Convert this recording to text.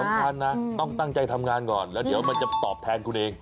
สำคัญนะต้องตั้งใจทำงานก่อนแล้วเดี๋ยวมันจะตอบแทนคุณเอง